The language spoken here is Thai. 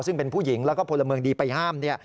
ซึ่งเป็นผู้หญิงแล้วก็พลเมืองดีไปห้ามเนี่ย